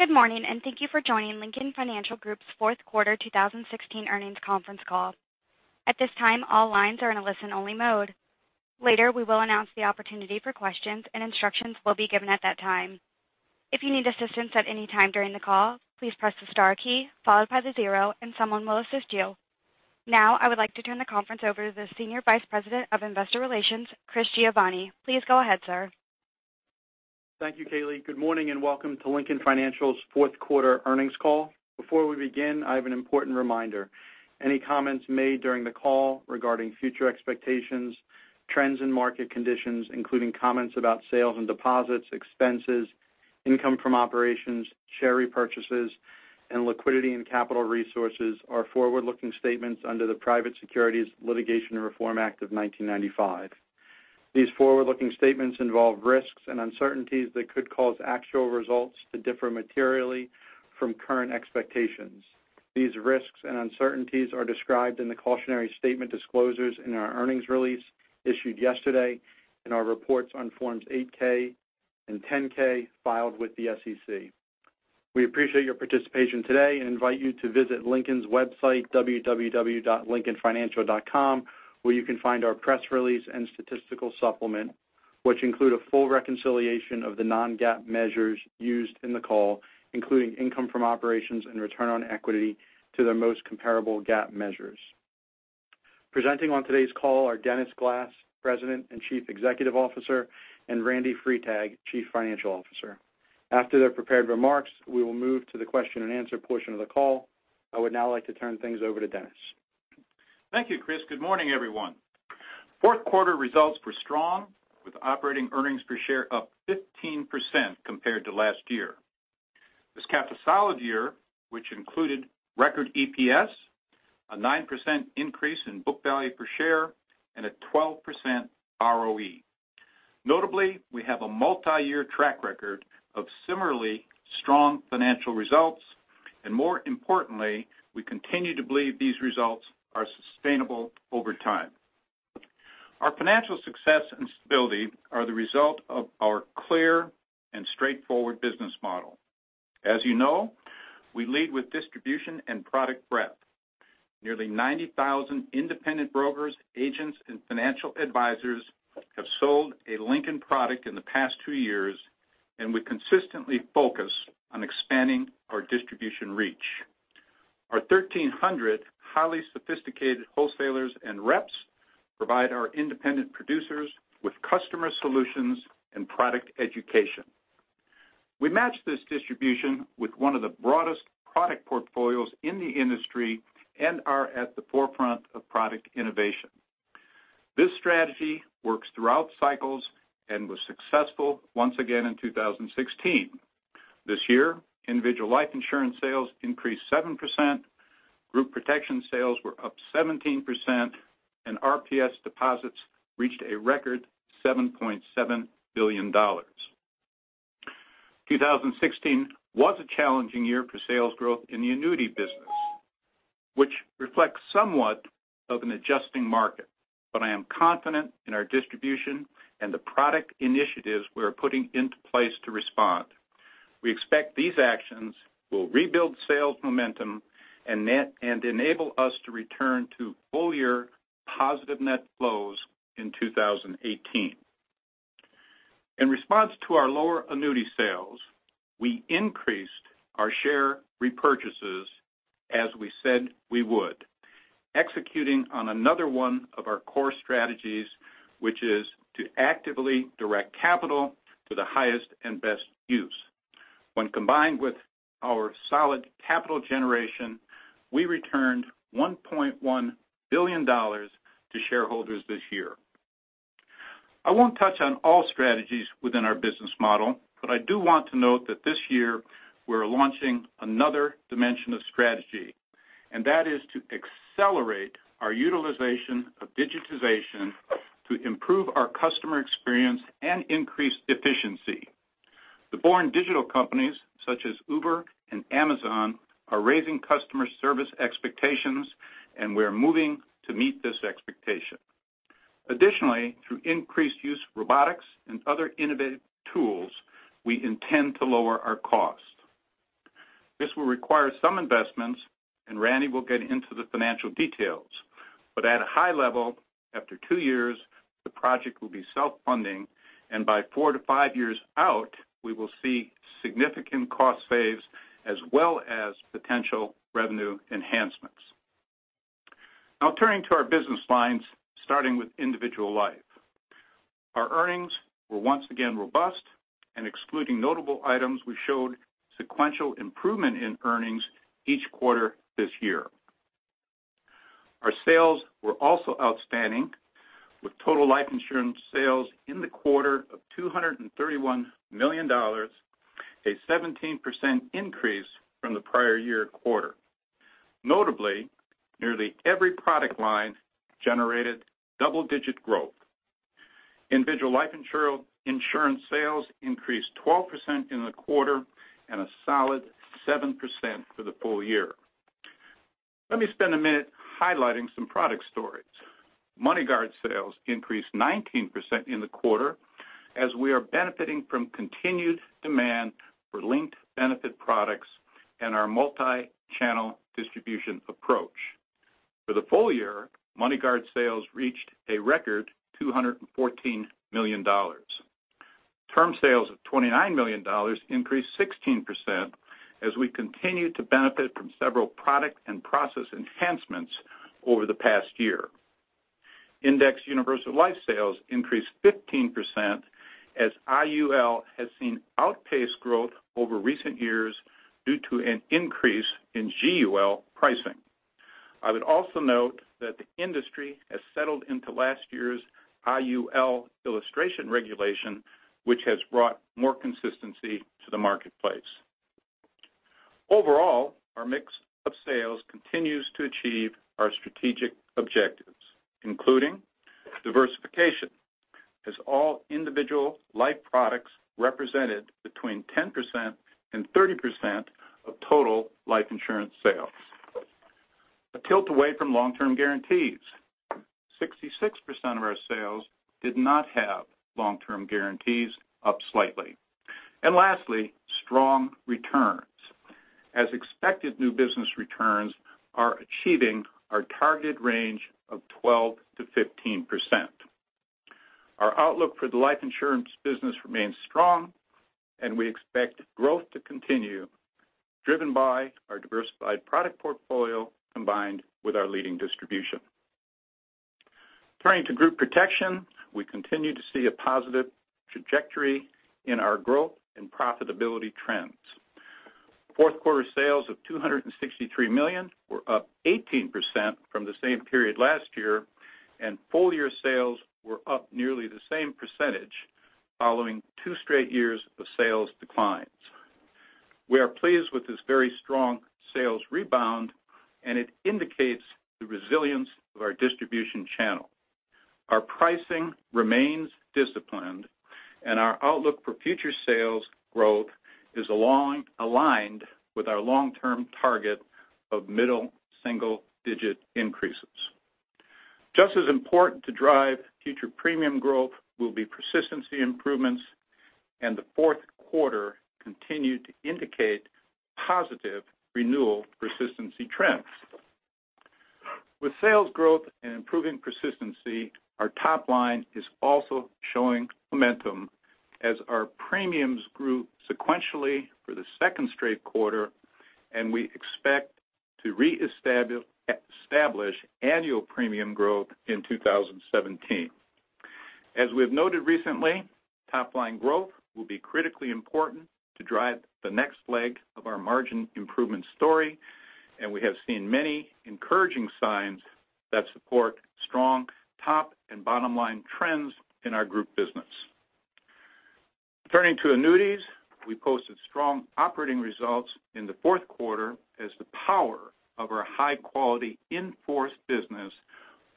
Good morning, thank you for joining Lincoln Financial Group's fourth quarter 2016 earnings conference call. At this time, all lines are in a listen-only mode. Later, we will announce the opportunity for questions, and instructions will be given at that time. If you need assistance at any time during the call, please press the star key followed by the zero and someone will assist you. Now, I would like to turn the conference over to the Senior Vice President of Investor Relations, Chris Giovanni. Please go ahead, sir. Thank you, Kaylee. Good morning, welcome to Lincoln Financial's fourth quarter earnings call. Before we begin, I have an important reminder. Any comments made during the call regarding future expectations, trends and market conditions, including comments about sales and deposits, expenses, income from operations, share repurchases, and liquidity and capital resources are forward-looking statements under the Private Securities Litigation Reform Act of 1995. These forward-looking statements involve risks and uncertainties that could cause actual results to differ materially from current expectations. These risks and uncertainties are described in the cautionary statement disclosures in our earnings release issued yesterday, in our reports on Forms 8-K and 10-K filed with the SEC. We appreciate your participation today, invite you to visit Lincoln's website, www.lincolnfinancial.com, where you can find our press release and statistical supplement, which include a full reconciliation of the non-GAAP measures used in the call, including income from operations and return on equity to their most comparable GAAP measures. Presenting on today's call are Dennis Glass, President and Chief Executive Officer, and Randy Freitag, Chief Financial Officer. After their prepared remarks, we will move to the question and answer portion of the call. I would now like to turn things over to Dennis. Thank you, Chris. Good morning, everyone. Fourth quarter results were strong, with operating earnings per share up 15% compared to last year. This caps a solid year, which included record EPS, a 9% increase in book value per share, and a 12% ROE. Notably, we have a multi-year track record of similarly strong financial results, and more importantly, we continue to believe these results are sustainable over time. Our financial success and stability are the result of our clear and straightforward business model. As you know, we lead with distribution and product breadth. Nearly 90,000 independent brokers, agents, and financial advisors have sold a Lincoln product in the past two years, and we consistently focus on expanding our distribution reach. Our 1,300 highly sophisticated wholesalers and reps provide our independent producers with customer solutions and product education. We match this distribution with one of the broadest product portfolios in the industry and are at the forefront of product innovation. This strategy works throughout cycles and was successful once again in 2016. This year, individual life insurance sales increased 7%, group protection sales were up 17%, and RPS deposits reached a record $7.7 billion. 2016 was a challenging year for sales growth in the annuity business, which reflects somewhat of an adjusting market. I am confident in our distribution and the product initiatives we're putting into place to respond. We expect these actions will rebuild sales momentum and enable us to return to full-year positive net flows in 2018. In response to our lower annuity sales, we increased our share repurchases as we said we would, executing on another one of our core strategies, which is to actively direct capital to the highest and best use. When combined with our solid capital generation, we returned $1.1 billion to shareholders this year. I do want to note that this year we're launching another dimension of strategy, that is to accelerate our utilization of digitization to improve our customer experience and increase efficiency. The born digital companies such as Uber and Amazon are raising customer service expectations, we're moving to meet this expectation. Additionally, through increased use of robotics and other innovative tools, we intend to lower our cost. This will require some investments, Randy will get into the financial details. At a high level, after two years, the project will be self-funding, by four to five years out, we will see significant cost saves as well as potential revenue enhancements. Turning to our business lines, starting with individual life. Our earnings were once again robust, excluding notable items, we showed sequential improvement in earnings each quarter this year. Our sales were also outstanding, with total life insurance sales in the quarter of $231 million, a 17% increase from the prior year quarter. Notably, nearly every product line generated double-digit growth. Individual life insurance sales increased 12% in the quarter and a solid 7% for the full year. Let me spend a minute highlighting some product stories. MoneyGuard sales increased 19% in the quarter as we are benefiting from continued demand for linked benefit products and our multi-channel distribution approach. For the full year, MoneyGuard sales reached a record $214 million. Term sales of $29 million increased 16% as we continued to benefit from several product and process enhancements over the past year. Indexed Universal Life sales increased 15% as IUL has seen outpaced growth over recent years due to an increase in GUL pricing. I would also note that the industry has settled into last year's IUL illustration regulation, which has brought more consistency to the marketplace. Overall, our mix of sales continues to achieve our strategic objectives, including diversification, as all individual life products represented between 10%-30% of total life insurance sales. A tilt away from long-term guarantees. 66% of our sales did not have long-term guarantees, up slightly. Lastly, strong returns. As expected, new business returns are achieving our target range of 12%-15%. Our outlook for the life insurance business remains strong. We expect growth to continue, driven by our diversified product portfolio, combined with our leading distribution. Turning to group protection, we continue to see a positive trajectory in our growth and profitability trends. Fourth quarter sales of $263 million were up 18% from the same period last year. Full year sales were up nearly the same percentage, following two straight years of sales declines. We are pleased with this very strong sales rebound, and it indicates the resilience of our distribution channel. Our pricing remains disciplined, and our outlook for future sales growth is aligned with our long-term target of middle single-digit increases. Just as important to drive future premium growth will be persistency improvements. The fourth quarter continued to indicate positive renewal persistency trends. With sales growth and improving persistency, our top line is also showing momentum as our premiums grew sequentially for the second straight quarter. We expect to reestablish annual premium growth in 2017. As we have noted recently, top line growth will be critically important to drive the next leg of our margin improvement story. We have seen many encouraging signs that support strong top and bottom-line trends in our group business. Turning to annuities, we posted strong operating results in the fourth quarter as the power of our high-quality in-force business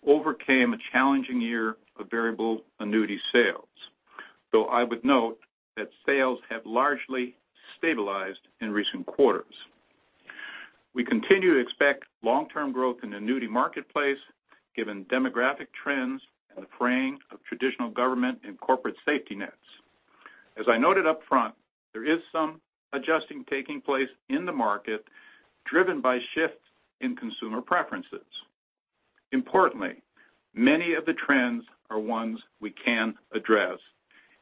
overcame a challenging year of Variable Annuity sales. I would note that sales have largely stabilized in recent quarters. We continue to expect long-term growth in the annuity marketplace, given demographic trends and the fraying of traditional government and corporate safety nets. As I noted up front, there is some adjusting taking place in the market, driven by shifts in consumer preferences. Importantly, many of the trends are ones we can address.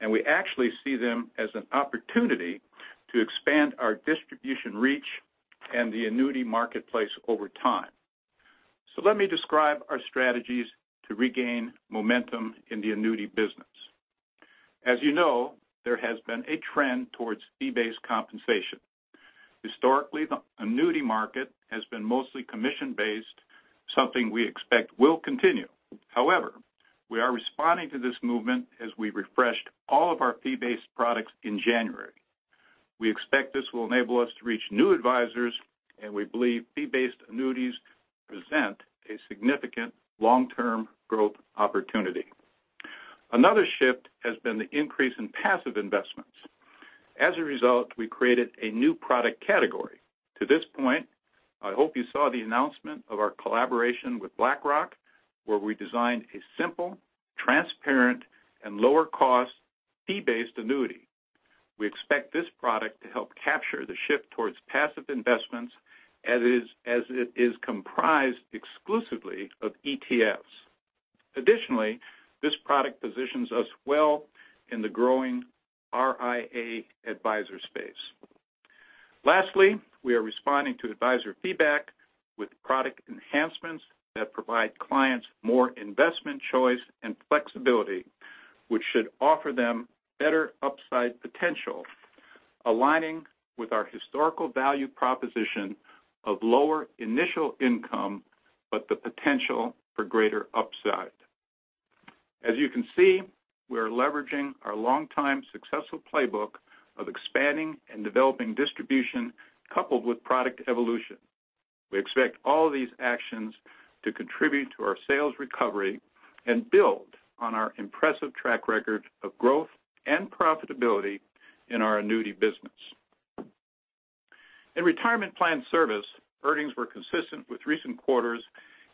We actually see them as an opportunity to expand our distribution reach and the annuity marketplace over time. Let me describe our strategies to regain momentum in the annuity business. As you know, there has been a trend towards fee-based compensation. Historically, the annuity market has been mostly commission-based, something we expect will continue. We are responding to this movement as we refreshed all of our fee-based products in January. We expect this will enable us to reach new advisors, and we believe fee-based annuities present a significant long-term growth opportunity. Another shift has been the increase in passive investments. We created a new product category. To this point, I hope you saw the announcement of our collaboration with BlackRock, where we designed a simple, transparent, and lower cost fee-based annuity. We expect this product to help capture the shift towards passive investments as it is comprised exclusively of ETFs. Additionally, this product positions us well in the growing RIA advisor space. Lastly, we are responding to advisor feedback with product enhancements that provide clients more investment choice and flexibility, which should offer them better upside potential, aligning with our historical value proposition of lower initial income, but the potential for greater upside. You can see, we are leveraging our longtime successful playbook of expanding and developing distribution coupled with product evolution. We expect all these actions to contribute to our sales recovery and build on our impressive track record of growth and profitability in our annuity business. In retirement plan service, earnings were consistent with recent quarters,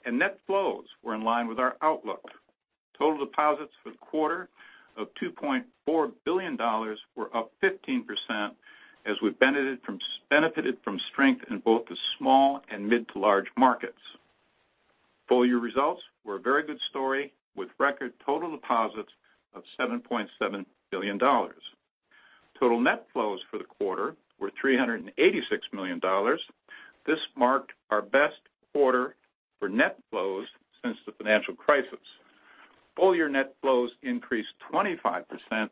and net flows were in line with our outlook. Total deposits for the quarter of $2.4 billion were up 15%, as we benefited from strength in both the small and mid to large markets. Full year results were a very good story, with record total deposits of $7.7 billion. Total net flows for the quarter were $386 million. This marked our best quarter for net flows since the financial crisis. Full year net flows increased 25% to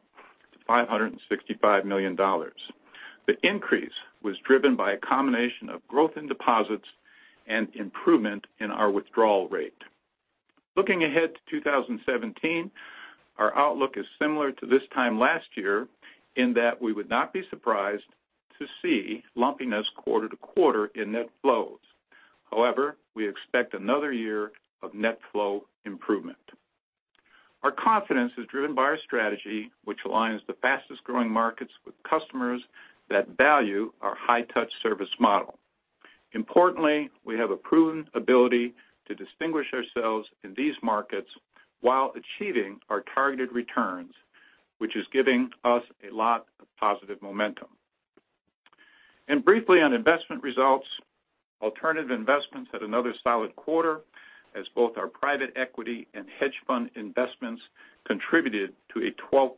$565 million. The increase was driven by a combination of growth in deposits and improvement in our withdrawal rate. Looking ahead to 2017, our outlook is similar to this time last year in that we would not be surprised to see lumpiness quarter to quarter in net flows. However, we expect another year of net flow improvement. Our confidence is driven by our strategy, which aligns the fastest-growing markets with customers that value our high-touch service model. Importantly, we have a proven ability to distinguish ourselves in these markets while achieving our targeted returns, which is giving us a lot of positive momentum. Briefly on investment results, alternative investments had another solid quarter as both our private equity and hedge fund investments contributed to a 12%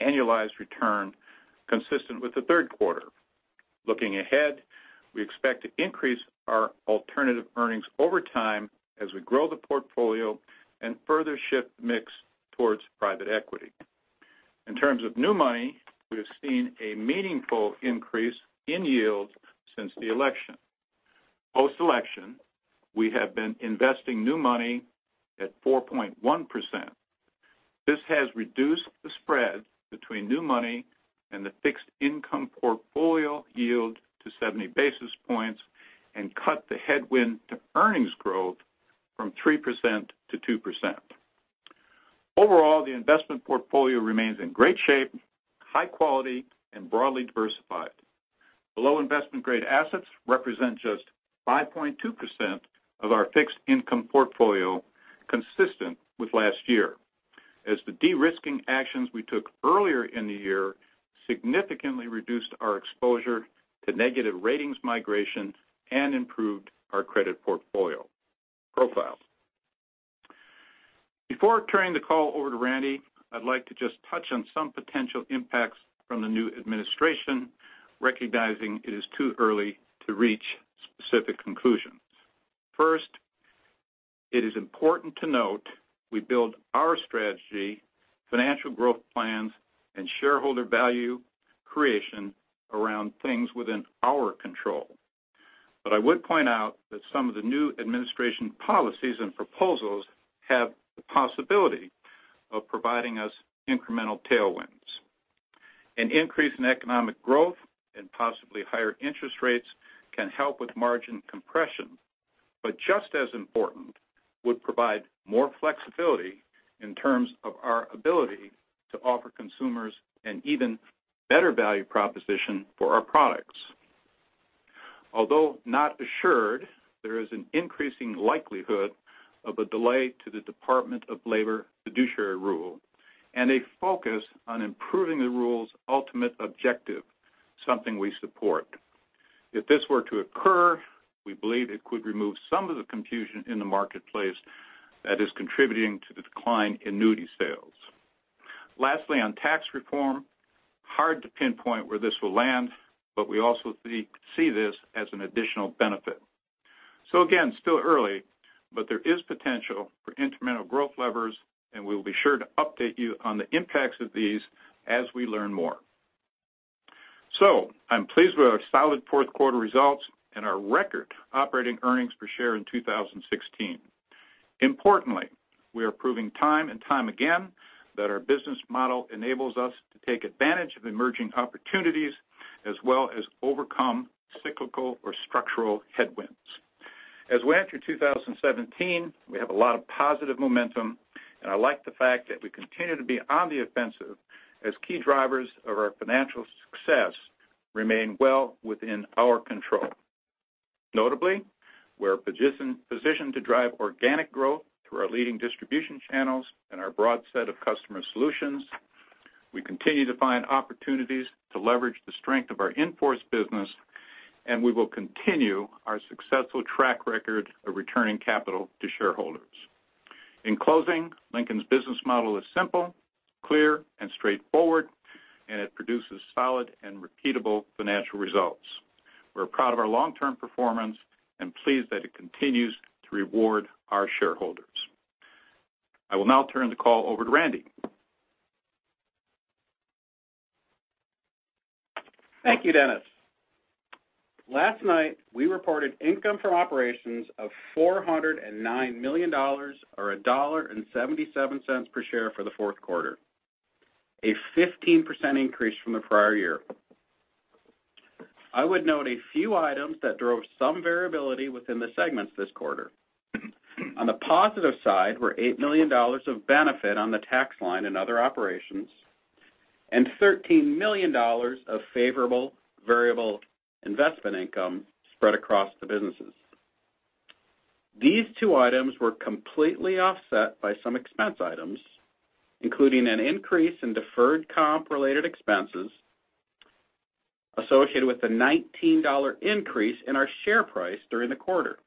annualized return consistent with the third quarter. Looking ahead, we expect to increase our alternative earnings over time as we grow the portfolio and further shift mix towards private equity. In terms of new money, we have seen a meaningful increase in yields since the election. Post-election, we have been investing new money at 4.1%. This has reduced the spread between new money and the fixed income portfolio yield to 70 basis points and cut the headwind to earnings growth from 3% to 2%. Overall, the investment portfolio remains in great shape, high quality, and broadly diversified. Below investment-grade assets represent just 5.2% of our fixed income portfolio, consistent with last year as the de-risking actions we took earlier in the year significantly reduced our exposure to negative ratings migration and improved our credit portfolio profile. Before turning the call over to Randy, I'd like to just touch on some potential impacts from the new administration, recognizing it is too early to reach specific conclusions. First, it is important to note we build our strategy, financial growth plans, and shareholder value creation around things within our control. I would point out that some of the new administration policies and proposals have the possibility of providing us incremental tailwinds. An increase in economic growth and possibly higher interest rates can help with margin compression, but just as important, would provide more flexibility in terms of our ability to offer consumers an even better value proposition for our products. Although not assured, there is an increasing likelihood of a delay to the Department of Labor fiduciary rule and a focus on improving the rule's ultimate objective, something we support. If this were to occur, we believe it could remove some of the confusion in the marketplace that is contributing to the decline in annuity sales. Lastly, on tax reform, hard to pinpoint where this will land, but we also see this as an additional benefit. Still early, but there is potential for incremental growth levers, and we'll be sure to update you on the impacts of these as we learn more. I'm pleased with our solid fourth quarter results and our record operating earnings per share in 2016. Importantly, we are proving time and time again that our business model enables us to take advantage of emerging opportunities as well as overcome cyclical or structural headwinds. As we enter 2017, we have a lot of positive momentum, and I like the fact that we continue to be on the offensive as key drivers of our financial success remain well within our control. Notably, we're positioned to drive organic growth through our leading distribution channels and our broad set of customer solutions. We continue to find opportunities to leverage the strength of our in-force business, and we will continue our successful track record of returning capital to shareholders. In closing, Lincoln's business model is simple, clear, and straightforward, and it produces solid and repeatable financial results. We're proud of our long-term performance and pleased that it continues to reward our shareholders. I will now turn the call over to Randy. Thank you, Dennis. Last night, we reported income from operations of $409 million, or $1.77 per share for the fourth quarter, a 15% increase from the prior year. I would note a few items that drove some variability within the segments this quarter. On the positive side were $8 million of benefit on the tax line in other operations and $13 million of favorable variable investment income spread across the businesses. These two items were completely offset by some expense items, including an increase in deferred comp related expenses associated with the $19 increase in our share price during the quarter,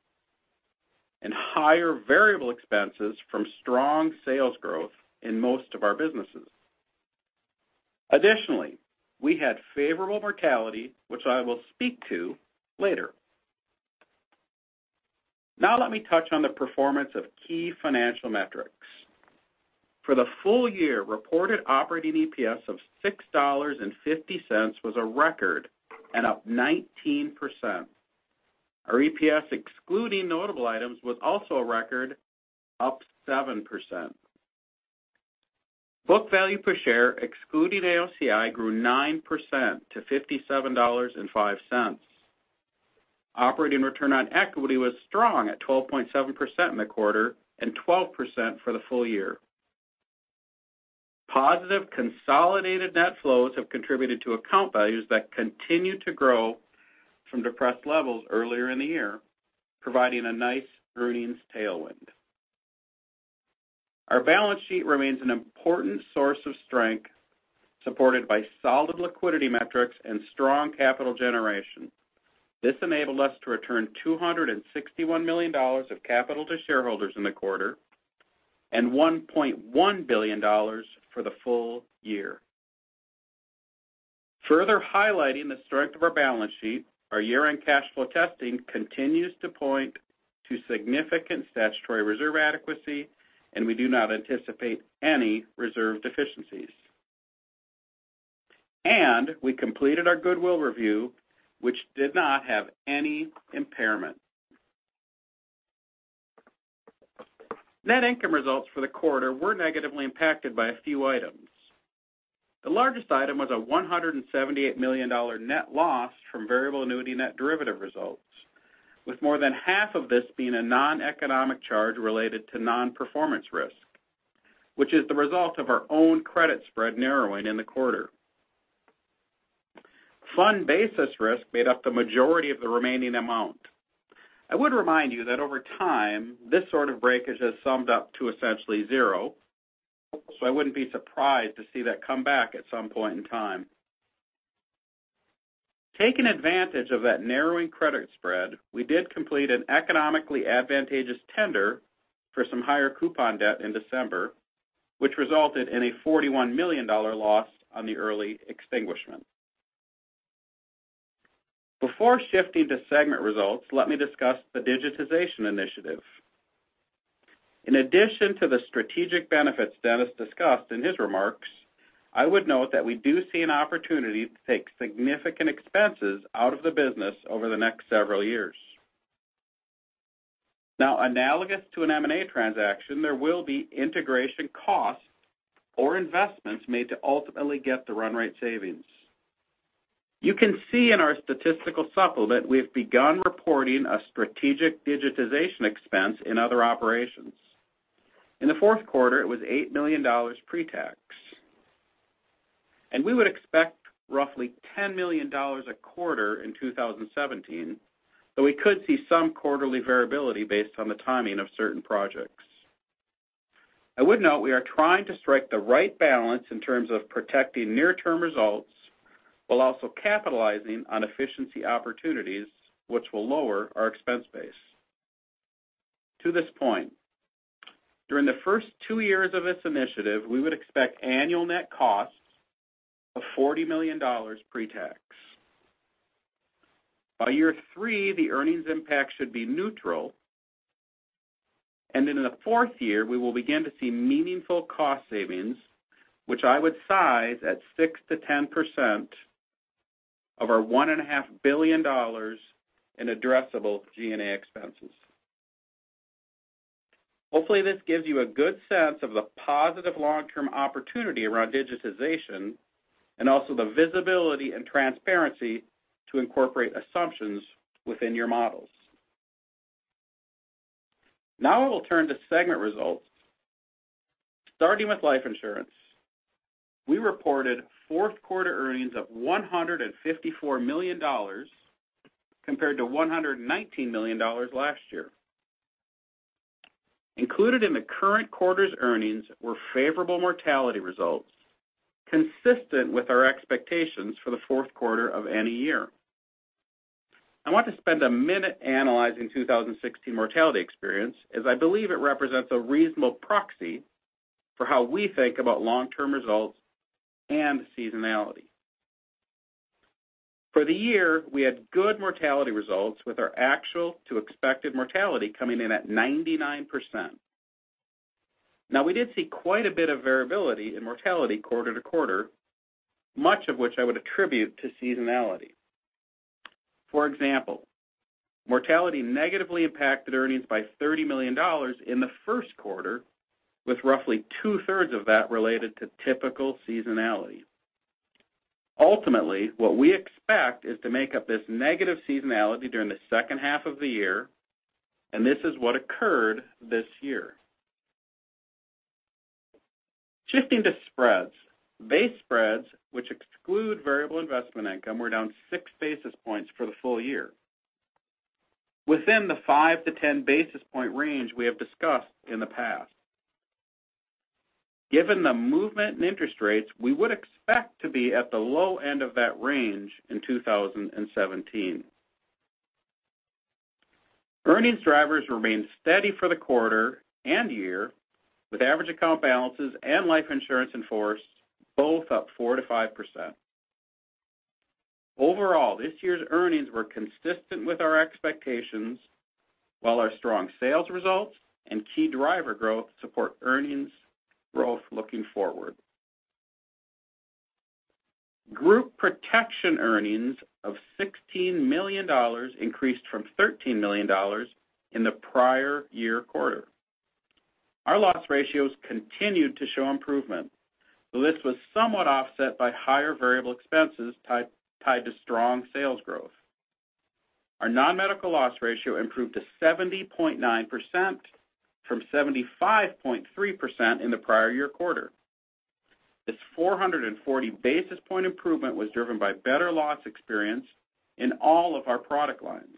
and higher variable expenses from strong sales growth in most of our businesses. Additionally, we had favorable mortality, which I will speak to later. Now let me touch on the performance of key financial metrics. For the full year, reported operating EPS of $6.50 was a record and up 19%. Our EPS excluding notable items was also a record, up 7%. Book value per share excluding AOCI grew 9% to $57.05. Operating return on equity was strong at 12.7% in the quarter and 12% for the full year. Positive consolidated net flows have contributed to account values that continue to grow from depressed levels earlier in the year, providing a nice earnings tailwind. Our balance sheet remains an important source of strength, supported by solid liquidity metrics and strong capital generation. This enabled us to return $261 million of capital to shareholders in the quarter and $1.1 billion for the full year. Further highlighting the strength of our balance sheet, our year-end cash flow testing continues to point to significant statutory reserve adequacy, and we do not anticipate any reserve deficiencies. We completed our goodwill review, which did not have any impairment. Net income results for the quarter were negatively impacted by a few items. The largest item was a $178 million net loss from variable annuity net derivative results, with more than half of this being a noneconomic charge related to non-performance risk, which is the result of our own credit spread narrowing in the quarter. Fund basis risk made up the majority of the remaining amount. I would remind you that over time, this sort of breakage has summed up to essentially zero, so I wouldn't be surprised to see that come back at some point in time. Taking advantage of that narrowing credit spread, we did complete an economically advantageous tender for some higher coupon debt in December, which resulted in a $41 million loss on the early extinguishment. Before shifting to segment results, let me discuss the digitization initiative. In addition to the strategic benefits Dennis discussed in his remarks, I would note that we do see an opportunity to take significant expenses out of the business over the next several years. Now, analogous to an M&A transaction, there will be integration costs or investments made to ultimately get the run rate savings. You can see in our statistical supplement we've begun reporting a strategic digitization expense in other operations. In the fourth quarter, it was $8 million pre-tax, and we would expect roughly $10 million a quarter in 2017, though we could see some quarterly variability based on the timing of certain projects. I would note we are trying to strike the right balance in terms of protecting near-term results while also capitalizing on efficiency opportunities, which will lower our expense base. To this point, during the first two years of this initiative, we would expect annual net costs of $40 million pre-tax. By year three, the earnings impact should be neutral, and in the fourth year, we will begin to see meaningful cost savings, which I would size at 6%-10% of our $1.5 billion in addressable G&A expenses. Hopefully, this gives you a good sense of the positive long-term opportunity around digitization and also the visibility and transparency to incorporate assumptions within your models. I will turn to segment results. Starting with life insurance, we reported fourth quarter earnings of $154 million compared to $119 million last year. Included in the current quarter's earnings were favorable mortality results consistent with our expectations for the fourth quarter of any year. I want to spend a minute analyzing 2016 mortality experience, as I believe it represents a reasonable proxy for how we think about long-term results and seasonality. For the year, we had good mortality results with our actual to expected mortality coming in at 99%. We did see quite a bit of variability in mortality quarter to quarter, much of which I would attribute to seasonality. For example, mortality negatively impacted earnings by $30 million in the first quarter, with roughly two-thirds of that related to typical seasonality. Ultimately, what we expect is to make up this negative seasonality during the second half of the year, and this is what occurred this year. Shifting to spreads. Base spreads, which exclude variable investment income, were down six basis points for the full year, within the five to 10 basis point range we have discussed in the past. Given the movement in interest rates, we would expect to be at the low end of that range in 2017. Earnings drivers remained steady for the quarter and year, with average account balances and life insurance in force both up 4%-5%. Overall, this year's earnings were consistent with our expectations, while our strong sales results and key driver growth support earnings growth looking forward. Group protection earnings of $16 million increased from $13 million in the prior year quarter. Our loss ratios continued to show improvement, though this was somewhat offset by higher variable expenses tied to strong sales growth. Our non-medical loss ratio improved to 70.9% from 75.3% in the prior year quarter. This 440 basis point improvement was driven by better loss experience in all of our product lines.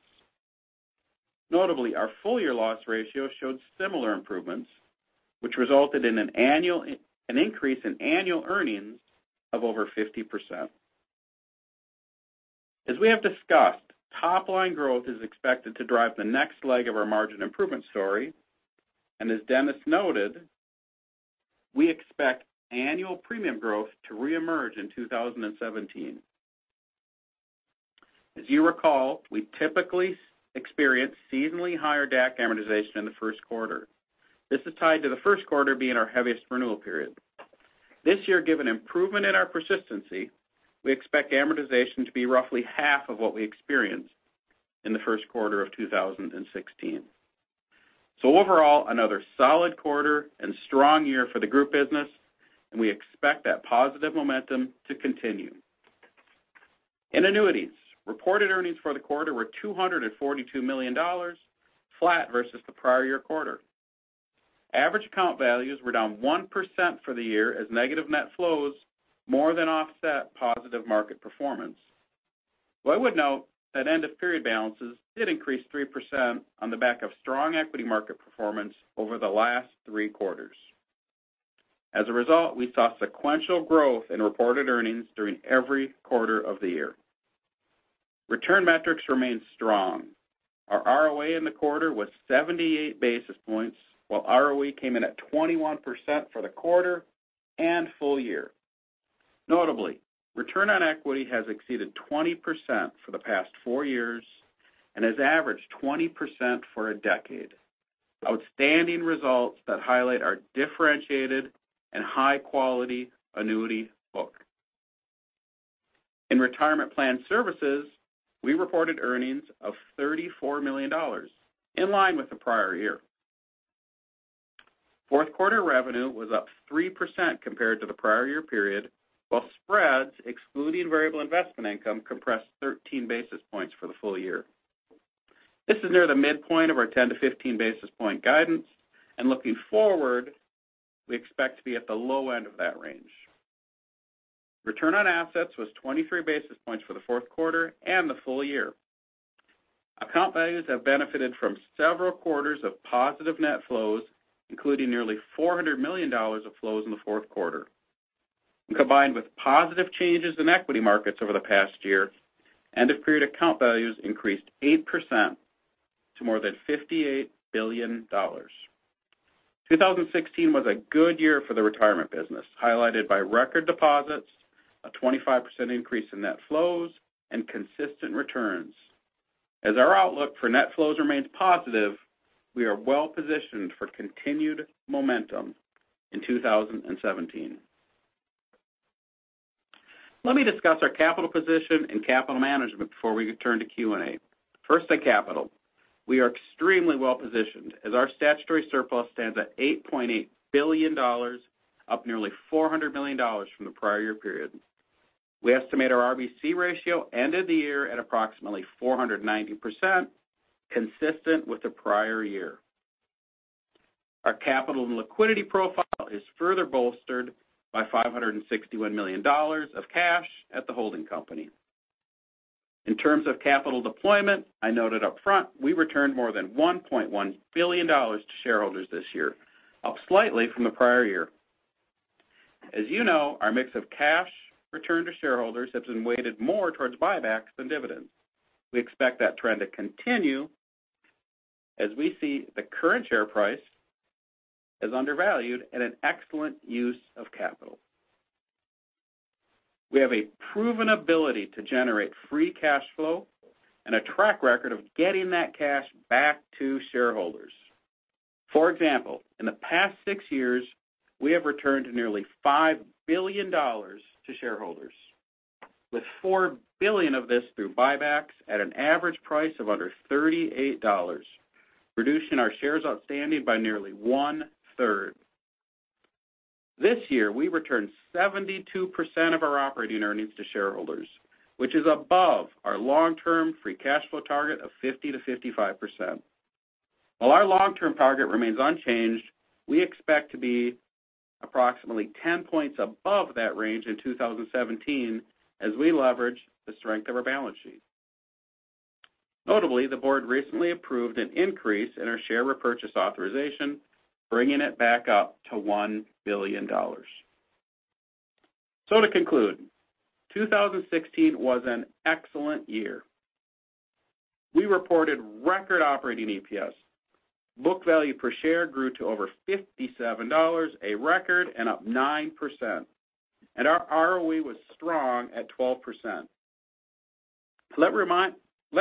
Notably, our full-year loss ratio showed similar improvements, which resulted in an increase in annual earnings of over 50%. As we have discussed, top-line growth is expected to drive the next leg of our margin improvement story, and as Dennis noted, we expect annual premium growth to reemerge in 2017. As you recall, we typically experience seasonally higher DAC amortization in the first quarter. This is tied to the first quarter being our heaviest renewal period. This year, given improvement in our persistency, we expect amortization to be roughly half of what we experienced in the first quarter of 2016. Overall, another solid quarter and strong year for the Group business, and we expect that positive momentum to continue. In Annuities, reported earnings for the quarter were $242 million, flat versus the prior year quarter. Average account values were down 1% for the year as negative net flows more than offset positive market performance. Though I would note that end-of-period balances did increase 3% on the back of strong equity market performance over the last three quarters. As a result, we saw sequential growth in reported earnings during every quarter of the year. Return metrics remained strong. Our ROA in the quarter was 78 basis points, while ROE came in at 21% for the quarter and full year. Notably, return on equity has exceeded 20% for the past four years and has averaged 20% for a decade. Outstanding results that highlight our differentiated and high-quality annuity book. In Retirement Plan Services, we reported earnings of $34 million, in line with the prior year. Fourth quarter revenue was up 3% compared to the prior year period, while spreads, excluding variable investment income, compressed 13 basis points for the full year. This is near the midpoint of our 10-15 basis point guidance, and looking forward, we expect to be at the low end of that range. Return on assets was 23 basis points for the fourth quarter and the full year. Account values have benefited from several quarters of positive net flows, including nearly $400 million of flows in the fourth quarter, and combined with positive changes in equity markets over the past year, end-of-period account values increased 8% to more than $58 billion. 2016 was a good year for the Retirement business, highlighted by record deposits, a 25% increase in net flows, and consistent returns. As our outlook for net flows remains positive, we are well-positioned for continued momentum in 2017. Let me discuss our capital position and capital management before we turn to Q&A. First, the capital. We are extremely well-positioned as our statutory surplus stands at $8.8 billion, up nearly $400 million from the prior year period. We estimate our RBC ratio ended the year at approximately 490%, consistent with the prior year. Our capital and liquidity profile is further bolstered by $561 million of cash at the holding company. In terms of capital deployment, I noted upfront we returned more than $1.1 billion to shareholders this year, up slightly from the prior year. As you know, our mix of cash returned to shareholders has been weighted more towards buybacks than dividends. We expect that trend to continue as we see the current share price as undervalued and an excellent use of capital. We have a proven ability to generate free cash flow and a track record of getting that cash back to shareholders. For example, in the past six years, we have returned nearly $5 billion to shareholders, with $4 billion of this through buybacks at an average price of under $38, reducing our shares outstanding by nearly one-third. This year, we returned 72% of our operating earnings to shareholders, which is above our long-term free cash flow target of 50%-55%. While our long-term target remains unchanged, we expect to be approximately 10 points above that range in 2017 as we leverage the strength of our balance sheet. Notably, the board recently approved an increase in our share repurchase authorization, bringing it back up to $1 billion. To conclude, 2016 was an excellent year. We reported record operating EPS. Book value per share grew to over $57, a record and up 9%, and our ROE was strong at 12%. Let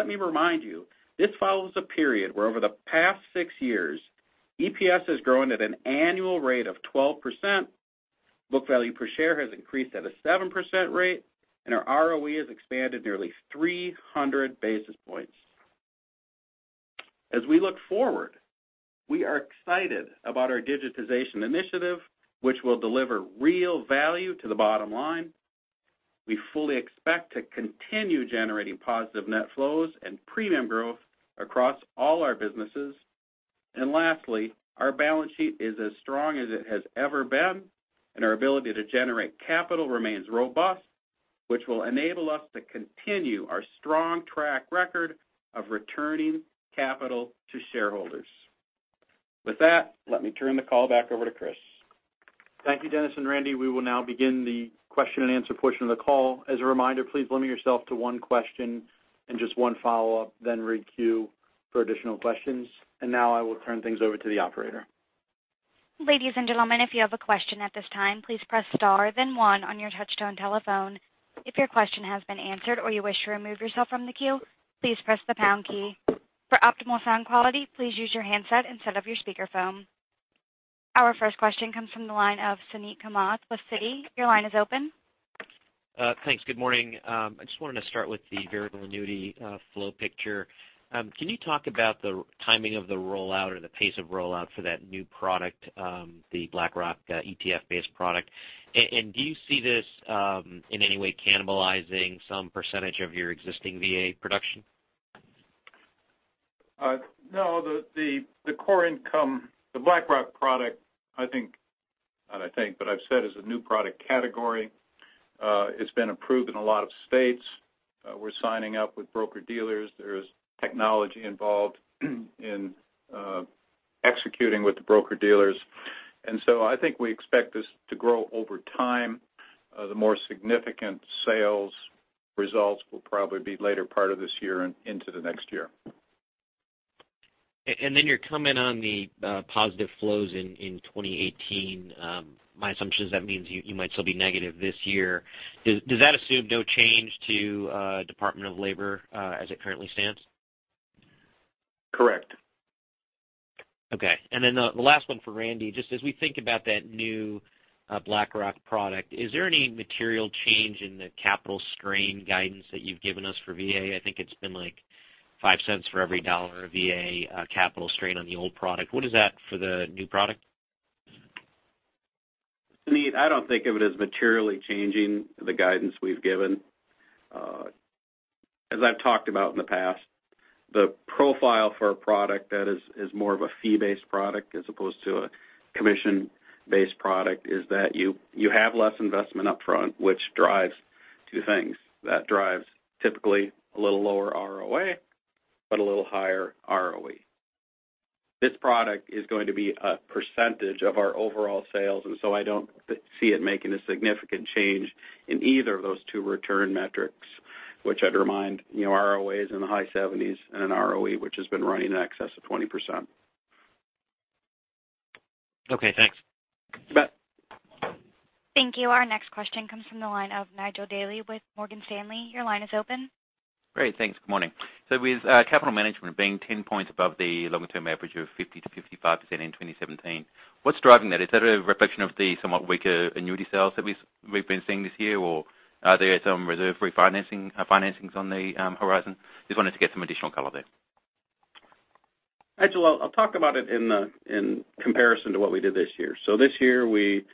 me remind you, this follows a period where over the past six years, EPS has grown at an annual rate of 12%, book value per share has increased at a 7% rate, and our ROE has expanded nearly 300 basis points. As we look forward, we are excited about our digitization initiative, which will deliver real value to the bottom line. We fully expect to continue generating positive net flows and premium growth across all our businesses. Lastly, our balance sheet is as strong as it has ever been, and our ability to generate capital remains robust, which will enable us to continue our strong track record of returning capital to shareholders. With that, let me turn the call back over to Chris. Thank you, Dennis and Randy. We will now begin the question-and-answer portion of the call. As a reminder, please limit yourself to one question and just one follow-up, then re-queue for additional questions. Now I will turn things over to the operator. Ladies and gentlemen, if you have a question at this time, please press star then one on your touch-tone telephone. If your question has been answered or you wish to remove yourself from the queue, please press the pound key. For optimal sound quality, please use your handset instead of your speakerphone. Our first question comes from the line of Suneet Kamath with Citi. Your line is open. Thanks. Good morning. I just wanted to start with the Variable Annuity flow picture. Can you talk about the timing of the rollout or the pace of rollout for that new product, the BlackRock ETF-based product? Do you see this in any way cannibalizing some percentage of your existing VA production? No. The Core Income, the BlackRock product, I've said is a new product category. It's been approved in a lot of states. We're signing up with broker-dealers. There's technology involved in executing with the broker-dealers. I think we expect this to grow over time. The more significant sales results will probably be later part of this year and into the next year. Your comment on the positive flows in 2018, my assumption is that means you might still be negative this year. Does that assume no change to Department of Labor as it currently stands? Correct. Okay. The last one for Randy, just as we think about that new BlackRock product, is there any material change in the capital strain guidance that you've given us for VA? I think it's been like $0.05 for every $1 VA capital strain on the old product. What is that for the new product? Suneet, I don't think of it as materially changing the guidance we've given. As I've talked about in the past, the profile for a product that is more of a fee-based product as opposed to a commission-based product is that you have less investment upfront, which drives two things. That drives typically a little lower ROA, but a little higher ROE. This product is going to be a percentage of our overall sales, so I don't see it making a significant change in either of those two return metrics, which I'd remind you, ROA is in the high 70s and an ROE which has been running in excess of 20%. Okay, thanks. You bet. Thank you. Our next question comes from the line of Nigel Dally with Morgan Stanley. Your line is open. Great. Thanks. Good morning. With capital management being 10 points above the long-term average of 50%-55% in 2017, what's driving that? Is that a reflection of the somewhat weaker annuity sales that we've been seeing this year, or are there some reserve refinancings on the horizon? Just wanted to get some additional color there. Nigel, I'll talk about it in comparison to what we did this year. This year, we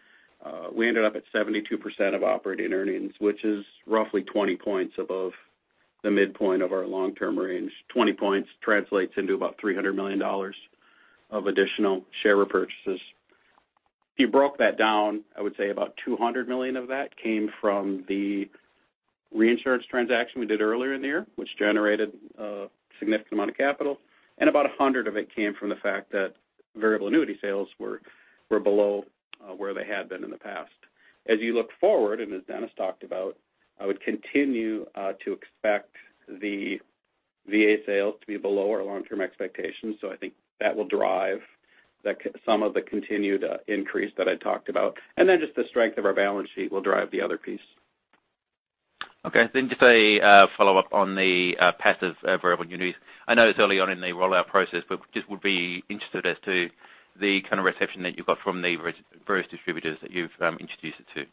ended up at 72% of operating earnings, which is roughly 20 points above the midpoint of our long-term range. 20 points translates into about $300 million of additional share repurchases. If you broke that down, I would say about $200 million of that came from the reinsurance transaction we did earlier in the year, which generated a significant amount of capital, and about $100 of it came from the fact that variable annuity sales were below where they had been in the past. As you look forward, and as Dennis talked about, I would continue to expect the VA sales to be below our long-term expectations. I think that will drive some of the continued increase that I talked about. Just the strength of our balance sheet will drive the other piece. Just a follow-up on the passive Variable Annuities. I know it's early on in the rollout process, but just would be interested as to the kind of reception that you got from the various distributors that you've introduced it to.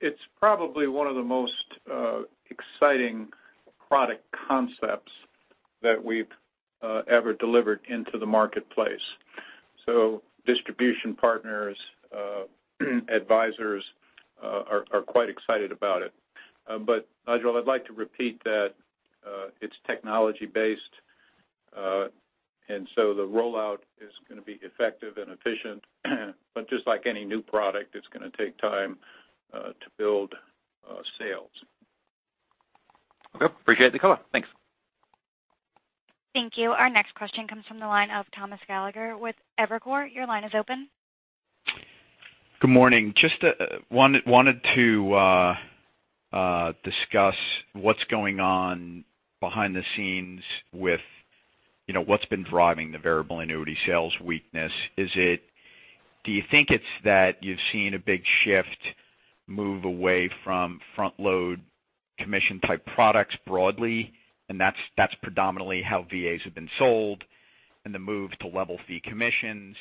It's probably one of the most exciting product concepts that we've ever delivered into the marketplace. Distribution partners, advisors are quite excited about it. Nigel, I'd like to repeat that it's technology-based, the rollout is going to be effective and efficient, just like any new product, it's going to take time to build sales. Okay. Appreciate the call. Thanks. Thank you. Our next question comes from the line of Thomas Gallagher with Evercore. Your line is open. Good morning. Just wanted to discuss what's going on behind the scenes with what's been driving the Variable Annuity sales weakness. Do you think it's that you've seen a big shift move away from front-load commission type products broadly, and that's predominantly how VAs have been sold, and the move to level-fee commissions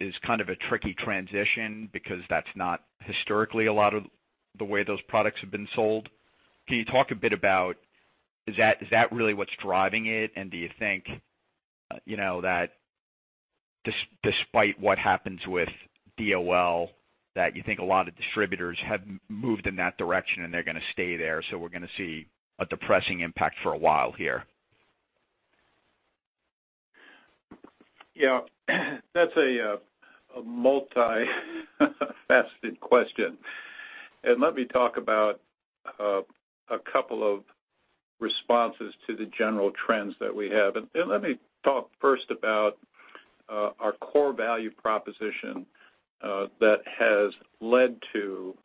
is kind of a tricky transition because that's not historically a lot of the way those products have been sold? Can you talk a bit about is that really what's driving it, and do you think that despite what happens with DOL, that you think a lot of distributors have moved in that direction and they're going to stay there, we're going to see a depressing impact for a while here? Yeah. That's a multi-faceted question. Let me talk about a couple of responses to the general trends that we have. Let me talk first about our core value proposition that has led to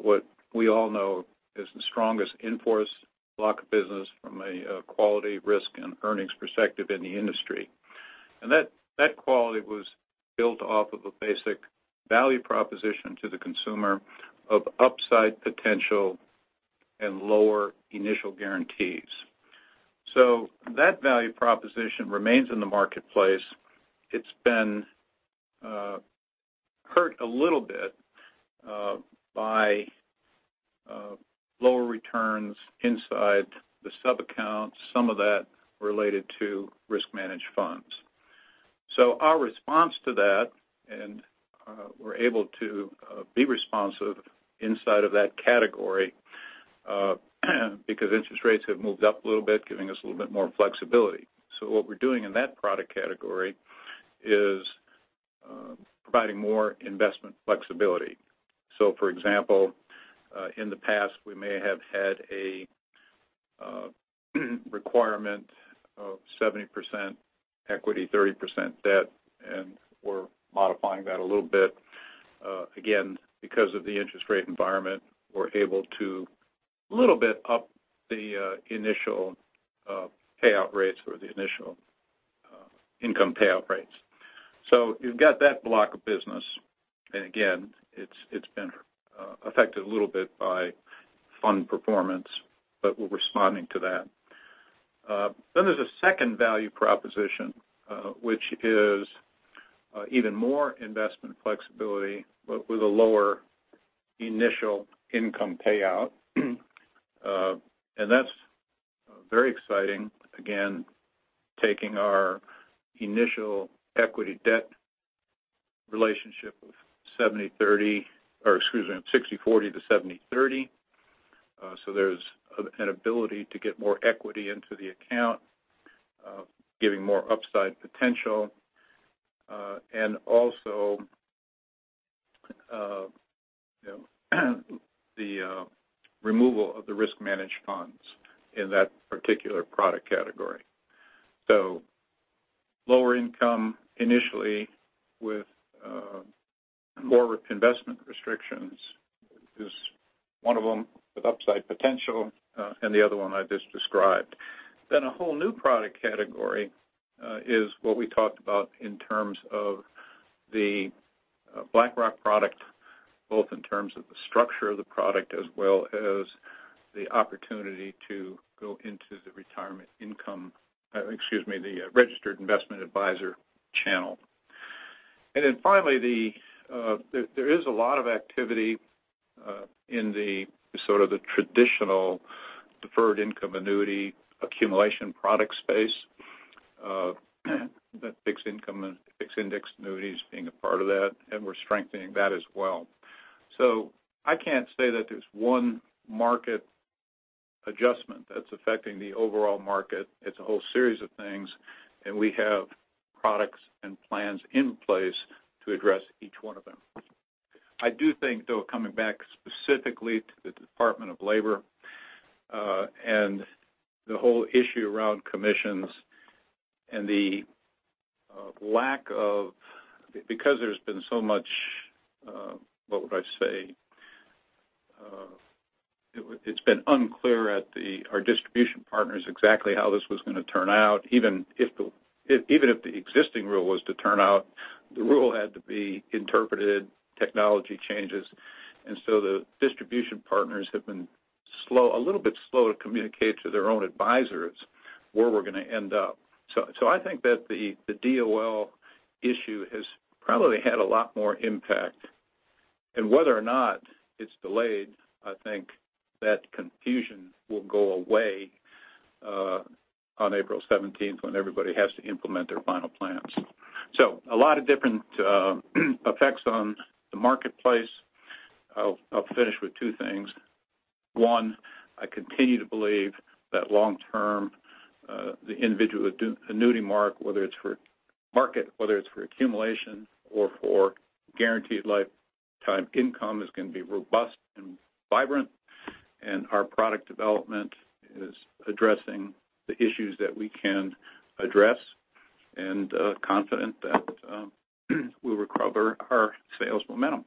what we all know is the strongest in-force block of business from a quality, risk, and earnings perspective in the industry. That quality was built off of a basic value proposition to the consumer of upside potential and lower initial guarantees. That value proposition remains in the marketplace. It's been hurt a little bit by lower returns inside the subaccount, some of that related to risk-managed funds. Our response to that, and we're able to be responsive inside of that category because interest rates have moved up a little bit, giving us a little bit more flexibility. What we're doing in that product category is providing more investment flexibility. For example, in the past, we may have had a requirement of 70% equity, 30% debt, and we're modifying that a little bit. Again, because of the interest rate environment, we're able to a little bit up the initial payout rates or the initial income payout rates. You've got that block of business. Again, it's been affected a little bit by fund performance, but we're responding to that. There's a second value proposition, which is even more investment flexibility but with a lower initial income payout. That's very exciting, again, taking our initial equity-debt relationship of 70/30, or excuse me, 60/40 to 70/30. There's an ability to get more equity into the account, giving more upside potential, and also the removal of the risk-managed funds in that particular product category. Lower income initially with more investment restrictions is one of them with upside potential, and the other one I just described. A whole new product category is what we talked about in terms of the BlackRock product, both in terms of the structure of the product as well as the opportunity to go into the retirement income, or excuse me, the Registered Investment Advisor channel. Finally, there is a lot of activity in the sort of the traditional deferred income annuity accumulation product space, that Fixed Index Annuities being a part of that, and we're strengthening that as well. I can't say that there's one market adjustment that's affecting the overall market. It's a whole series of things, and we have products and plans in place to address each one of them. I do think, though, coming back specifically to the Department of Labor, and the whole issue around commissions and the lack of because there's been so much, what would I say? It's been unclear at our distribution partners exactly how this was going to turn out. Even if the existing rule was to turn out, the rule had to be interpreted, technology changes. The distribution partners have been a little bit slow to communicate to their own advisors where we're going to end up. I think that the DOL issue has probably had a lot more impact, and whether or not it's delayed, I think that confusion will go away on April 17th when everybody has to implement their final plans. A lot of different effects on the marketplace. I'll finish with two things. One, I continue to believe that long-term, the individual annuity market, whether it's for accumulation or for guaranteed lifetime income, is going to be robust and vibrant. Our product development is addressing the issues that we can address and confident that we'll recover our sales momentum.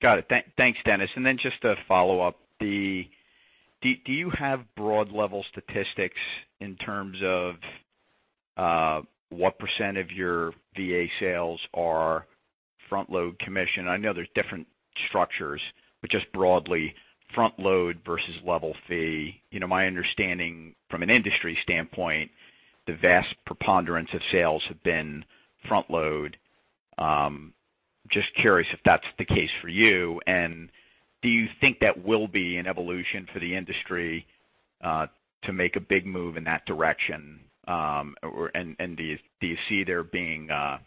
Got it. Thanks, Dennis. Just a follow-up. Do you have broad level statistics in terms of what % of your VA sales are front load commission? I know there's different structures, but just broadly, front load versus level fee. My understanding from an industry standpoint, the vast preponderance of sales have been front load. Just curious if that's the case for you, and do you think that will be an evolution for the industry to make a big move in that direction, and do you see there being a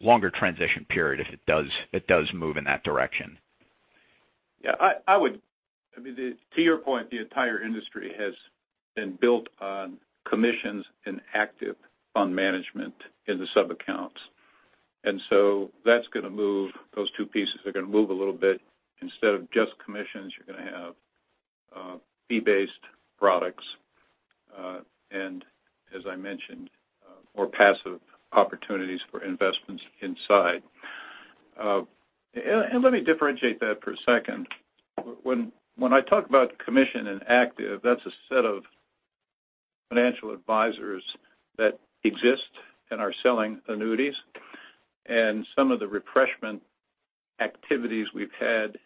longer transition period if it does move in that direction? Yeah. To your point, the entire industry has been built on commissions and active fund management in the sub-accounts. Those two pieces are going to move a little bit. Instead of just commissions, you're going to have fee-based products, and as I mentioned, more passive opportunities for investments inside. Let me differentiate that for a second. When I talk about commission and active, that's a set of financial advisors that exist and are selling annuities, and some of the refreshment activities we've had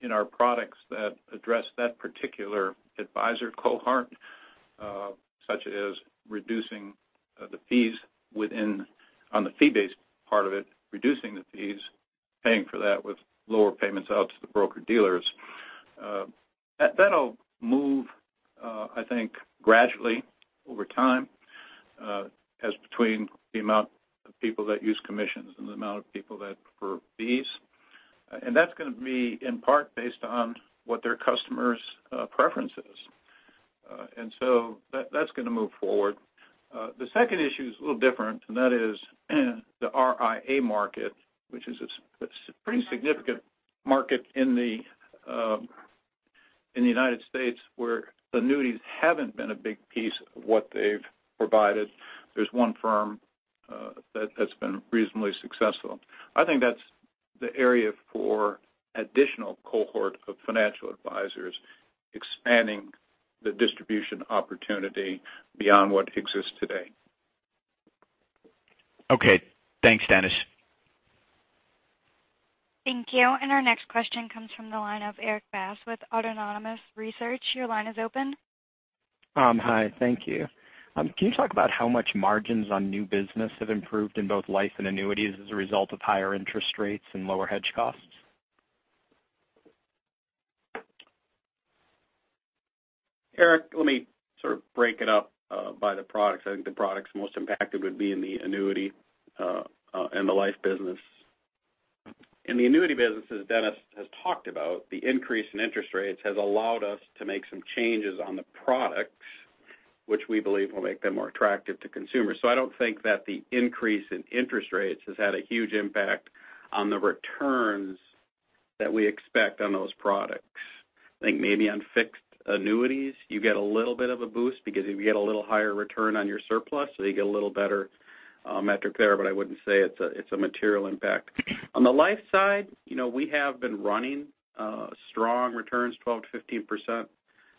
in our products that address that particular advisor cohort, such as reducing the fees on the fee-based part of it, reducing the fees, paying for that with lower payments out to the broker-dealers. That'll move, I think, gradually over time as between the amount of people that use commissions and the amount of people that prefer fees. That's going to be in part based on what their customer's preference is. That's going to move forward. The second issue is a little different, that is the RIA market, which is a pretty significant market in the U.S. where annuities haven't been a big piece of what they've provided. There's one firm that has been reasonably successful. I think that's the area for additional cohort of financial advisors expanding the distribution opportunity beyond what exists today. Okay. Thanks, Dennis. Thank you. Our next question comes from the line of Erik Bass with Autonomous Research. Your line is open. Hi. Thank you. Can you talk about how much margins on new business have improved in both life and annuities as a result of higher interest rates and lower hedge costs? Erik, let me sort of break it up by the products. I think the products most impacted would be in the annuity and the life business. In the annuity business, as Dennis has talked about, the increase in interest rates has allowed us to make some changes on the products, which we believe will make them more attractive to consumers. I don't think that the increase in interest rates has had a huge impact on the returns that we expect on those products. I think maybe on fixed annuities, you get a little bit of a boost because you get a little higher return on your surplus, you get a little better metric there, but I wouldn't say it's a material impact. On the life side, we have been running strong returns, 12%-15%,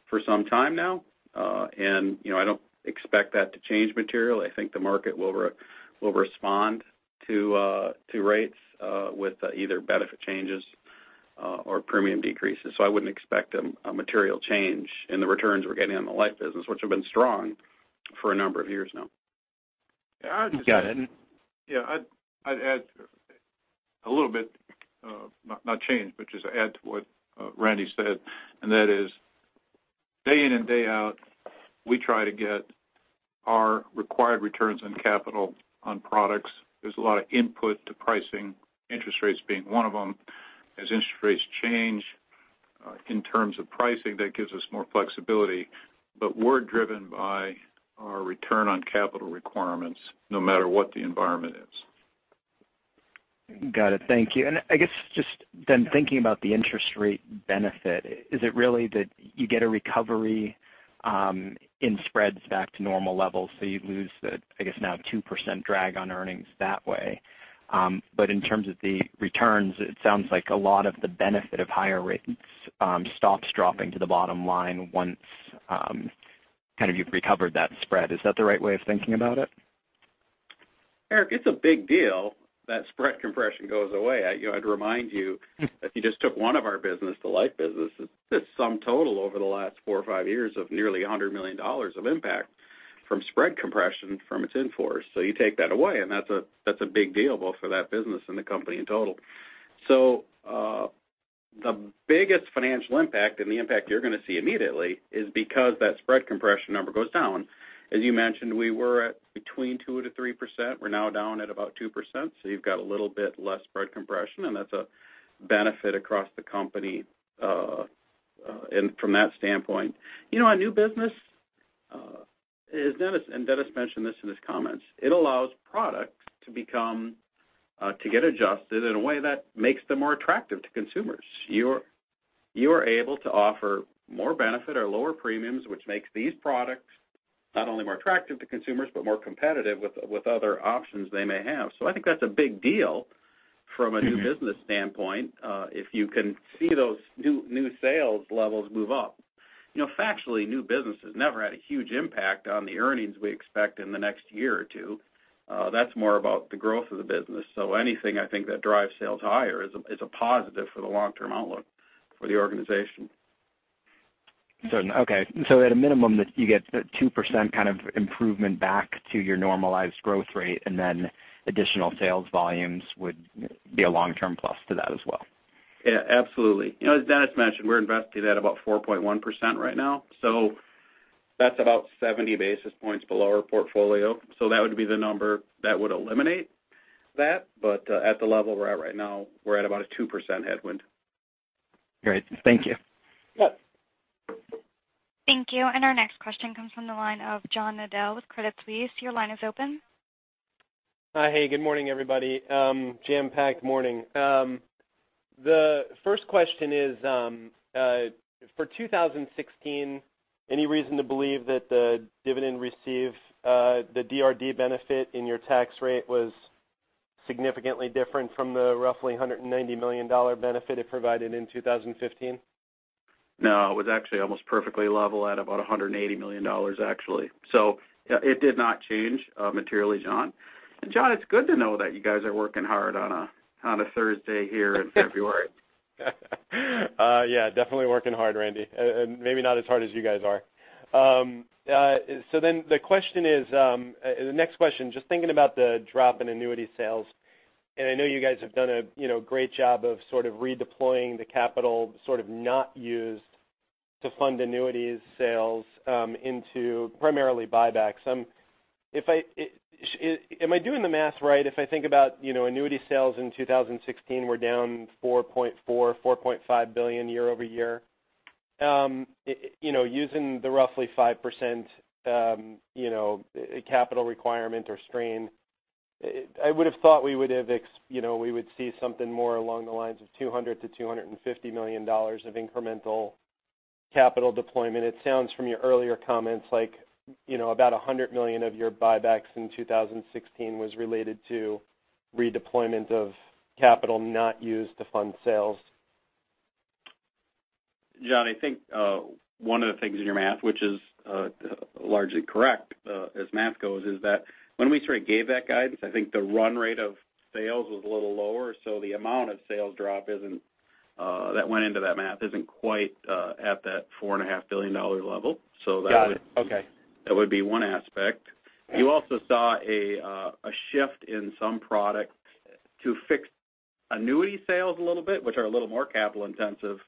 for some time now. I don't expect that to change materially. I think the market will respond to rates with either benefit changes or premium decreases. I wouldn't expect a material change in the returns we're getting on the life business, which have been strong for a number of years now. Got it. Yeah. I'd add a little bit, not change, but just add to what Randy said, and that is day in and day out, we try to get our required returns on capital on products. There's a lot of input to pricing, interest rates being one of them. As interest rates change in terms of pricing, that gives us more flexibility. We're driven by our return on capital requirements no matter what the environment is. Got it. Thank you. I guess thinking about the interest rate benefit, is it really that you get a recovery in spreads back to normal levels, you lose the, I guess now, 2% drag on earnings that way? In terms of the returns, it sounds like a lot of the benefit of higher rates stops dropping to the bottom line once you've recovered that spread. Is that the right way of thinking about it? Erik, it's a big deal that spread compression goes away. I'd remind you that you just took one of our business, the life business. Its sum total over the last four or five years of nearly $100 million of impact from spread compression from its in-force. You take that away, and that's a big deal both for that business and the company in total. The biggest financial impact and the impact you're going to see immediately is because that spread compression number goes down. As you mentioned, we were at between 2% to 3%. We're now down at about 2%, you've got a little bit less spread compression, and that's a benefit across the company from that standpoint. Our new business, Dennis mentioned this in his comments, it allows products to get adjusted in a way that makes them more attractive to consumers. You're able to offer more benefit or lower premiums, which makes these products not only more attractive to consumers, but more competitive with other options they may have. I think that's a big deal from a new business standpoint if you can see those new sales levels move up. Factually, new business has never had a huge impact on the earnings we expect in the next year or two. That's more about the growth of the business. Anything, I think, that drives sales higher is a positive for the long-term outlook for the organization. Okay. At a minimum, you get 2% improvement back to your normalized growth rate, additional sales volumes would be a long-term plus to that as well. Yeah, absolutely. As Dennis mentioned, we're invested at about 4.1% right now, so that's about 70 basis points below our portfolio. That would be the number that would eliminate that. At the level we're at right now, we're at about a 2% headwind. Great. Thank you. Yep. Thank you. Our next question comes from the line of John Nadel with Credit Suisse. Your line is open. Hey, good morning, everybody. Jam-packed morning. The first question is, for 2016, any reason to believe that the dividend received, the DRD benefit in your tax rate was significantly different from the roughly $190 million benefit it provided in 2015? No, it was actually almost perfectly level at about $180 million, actually. It did not change materially, John. John, it's good to know that you guys are working hard on a Thursday here in February. Yeah, definitely working hard, Randy. Maybe not as hard as you guys are. The next question, just thinking about the drop in annuity sales, and I know you guys have done a great job of sort of redeploying the capital, sort of not used to fund annuities sales into primarily buybacks. Am I doing the math right if I think about annuity sales in 2016 were down $4.4 billion-$4.5 billion year-over-year? Using the roughly 5% capital requirement or strain, I would've thought we would see something more along the lines of $200 million-$250 million of incremental capital deployment. It sounds from your earlier comments like about $100 million of your buybacks in 2016 was related to redeployment of capital not used to fund sales. John, I think one of the things in your math, which is largely correct as math goes, is that when we sort of gave that guidance, I think the run rate of sales was a little lower. The amount of sales drop that went into that math isn't quite at that $4.5 billion level. Got it. Okay. That would be one aspect. You also saw a shift in some products to fixed annuity sales a little bit, which are a little more capital intensive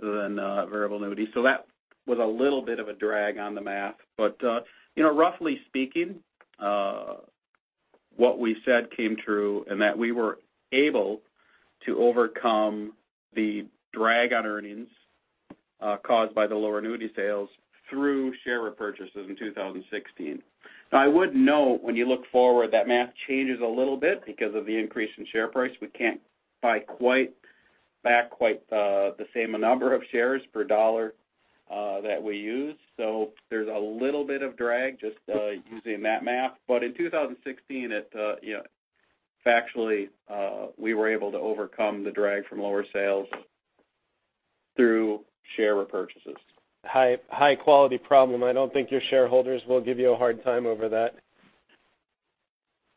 than Variable Annuity. That was a little bit of a drag on the math. Roughly speaking, what we said came true and that we were able to overcome the drag on earnings caused by the lower annuity sales through share repurchases in 2016. I would note, when you look forward, that math changes a little bit because of the increase in share price. We can't buy back quite the same number of shares per dollar that we use. There's a little bit of drag just using that math. In 2016, factually, we were able to overcome the drag from lower sales through share repurchases. High-quality problem. I don't think your shareholders will give you a hard time over that.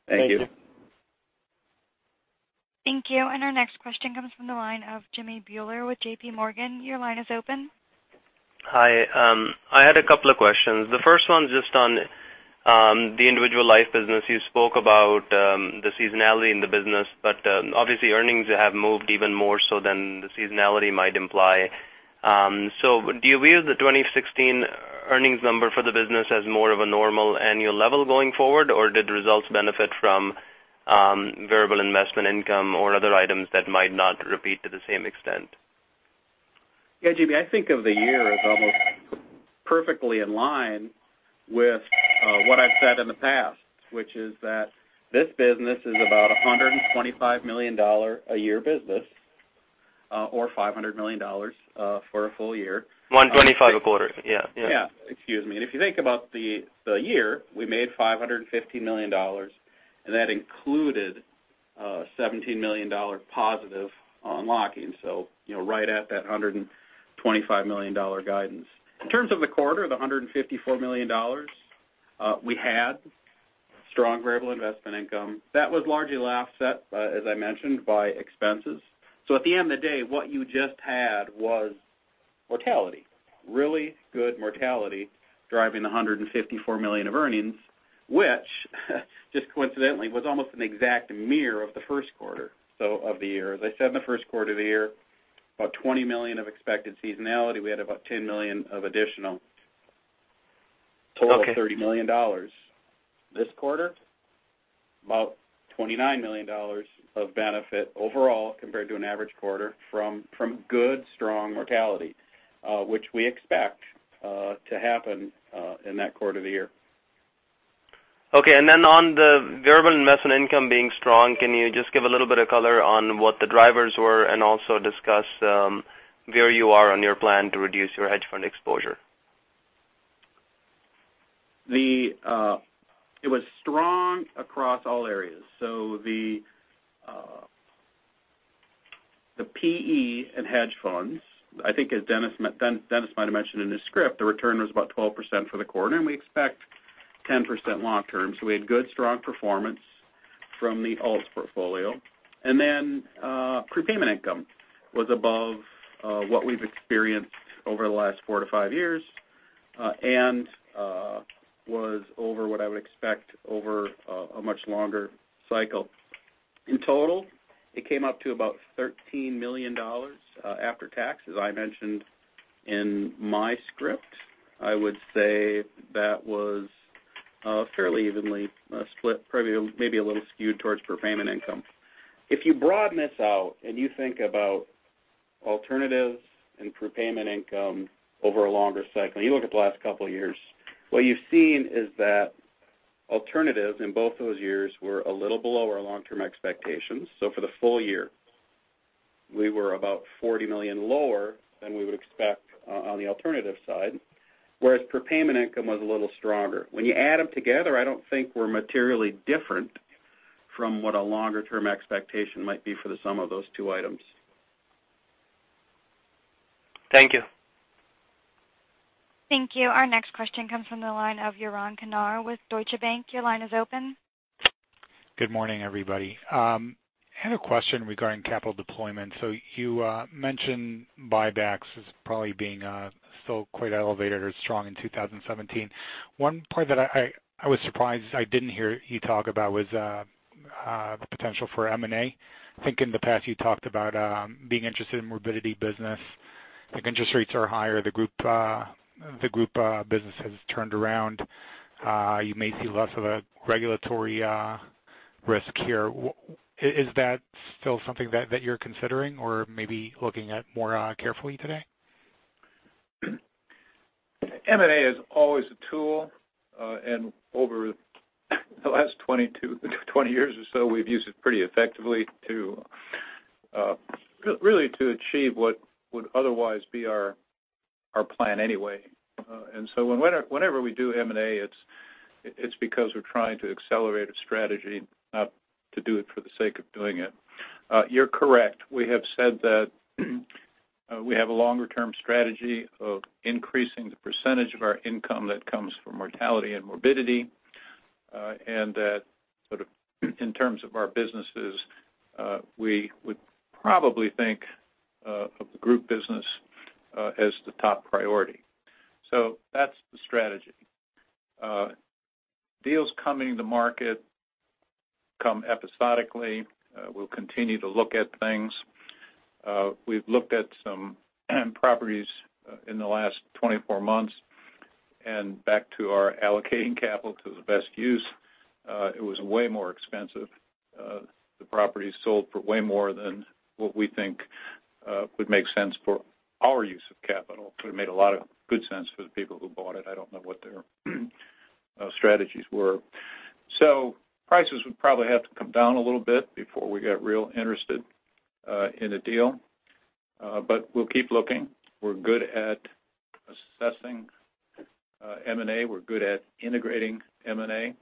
Thank you. Thank you. Thank you. Our next question comes from the line of Jimmy Bhullar with JPMorgan. Your line is open. Hi. I had a couple of questions. The first one's just on the individual life business. You spoke about the seasonality in the business, but obviously earnings have moved even more so than the seasonality might imply. Do you view the 2016 earnings number for the business as more of a normal annual level going forward, or did results benefit from variable investment income or other items that might not repeat to the same extent? Yeah, Jimmy, I think of the year as almost perfectly in line with what I've said in the past, which is that this business is about $125 million a year business, or $500 million for a full year. $125 a quarter. Yeah. Excuse me. If you think about the year, we made $550 million, that included $17 million positive unlocking. Right at that $125 million guidance. In terms of the quarter, the $154 million, we had strong variable investment income. That was largely offset, as I mentioned, by expenses. At the end of the day, what you just had was mortality. Really good mortality driving $154 million of earnings, which just coincidentally was almost an exact mirror of the first quarter of the year. As I said, in the first quarter of the year, about $20 million of expected seasonality, we had about $10 million of additional. Okay. Total of $30 million. This quarter, about $29 million of benefit overall compared to an average quarter from good, strong mortality, which we expect to happen in that quarter of the year. Okay, on the variable investment income being strong, can you just give a little bit of color on what the drivers were and also discuss where you are on your plan to reduce your hedge fund exposure? It was strong across all areas. The PE and hedge funds, I think as Dennis might have mentioned in his script, the return was about 12% for the quarter, and we expect 10% long-term. We had good, strong performance from the alts portfolio. Prepayment income was above what we've experienced over the last four to five years, and was over what I would expect over a much longer cycle. In total, it came up to about $13 million after tax, as I mentioned in my script. I would say that was fairly evenly split, maybe a little skewed towards prepayment income. If you broaden this out and you think about alternatives and prepayment income over a longer cycle, you look at the last couple of years, what you've seen is that alternatives in both those years were a little below our long-term expectations. For the full year, we were about $40 million lower than we would expect on the alternative side, whereas prepayment income was a little stronger. When you add them together, I don't think we're materially different from what a longer-term expectation might be for the sum of those two items. Thank you. Thank you. Our next question comes from the line of Yaron Kinar with Deutsche Bank. Your line is open. Good morning, everybody. I had a question regarding capital deployment. You mentioned buybacks as probably being still quite elevated or strong in 2017. One part that I was surprised I didn't hear you talk about was the potential for M&A. I think in the past, you talked about being interested in morbidity business. I think interest rates are higher. The group business has turned around. You may see less of a regulatory risk here. Is that still something that you're considering or maybe looking at more carefully today? M&A is always a tool, and over the last 20 years or so, we've used it pretty effectively to really achieve what would otherwise be our plan anyway. Whenever we do M&A, it's because we're trying to accelerate a strategy, not to do it for the sake of doing it. You're correct. We have said that we have a longer-term strategy of increasing the percentage of our income that comes from mortality and morbidity, and that in terms of our businesses, we would probably think of the group business as the top priority. That's the strategy. Deals coming to market come episodically. We'll continue to look at things. We've looked at some properties in the last 24 months, and back to our allocating capital to the best use, it was way more expensive. The property sold for way more than what we think would make sense for our use of capital. It would have made a lot of good sense for the people who bought it. I don't know what their strategies were. Prices would probably have to come down a little bit before we get real interested in a deal. We'll keep looking. We're good at assessing M&A. We're good at integrating M&A,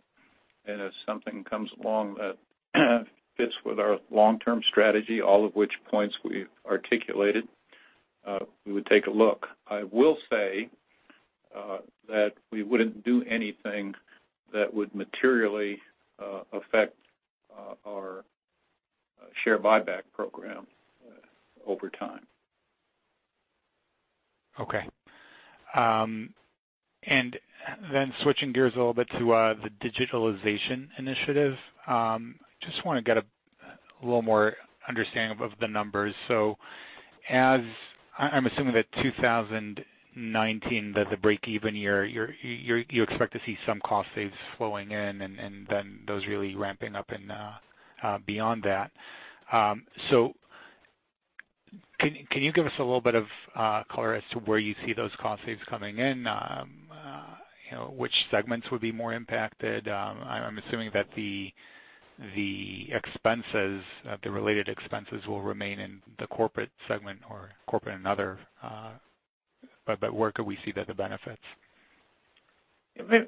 and if something comes along that fits with our long-term strategy, all of which points we've articulated, we would take a look. I will say that we wouldn't do anything that would materially affect our share buyback program over time. Okay. Switching gears a little bit to the digitalization initiative. Just want to get a little more understanding of the numbers. I'm assuming that 2019, the break-even year, you expect to see some cost saves flowing in, and then those really ramping up and beyond that. Can you give us a little bit of color as to where you see those cost saves coming in? Which segments would be more impacted? I'm assuming that the related expenses will remain in the corporate segment or corporate and other. Where could we see the benefits?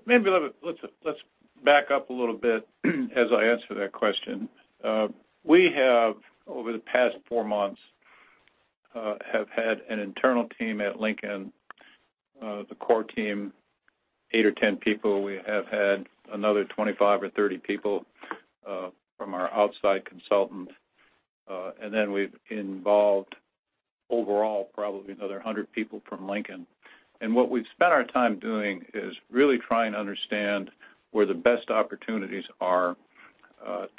Maybe let's back up a little bit as I answer that question. We have, over the past four months, have had an internal team at Lincoln, the core team, eight or 10 people. We have had another 25 or 30 people from our outside consultant. We've involved overall probably another 100 people from Lincoln. What we've spent our time doing is really trying to understand where the best opportunities are